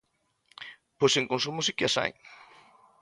Pois en consumo si que as hai.